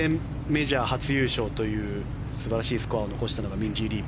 メジャー初優勝という素晴らしいスコアを残したのがミンジー・リー。